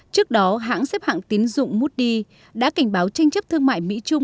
trước đó hãng xếp hãng tín dụng mút đi đã cảnh báo tranh chấp thương mại mỹ trung